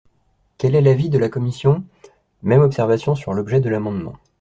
Quel est l’avis de la commission ? Même observation sur l’objet de l’amendement.